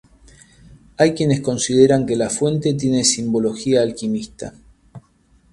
Hay quienes consideran que la fuente tiene simbología alquimista.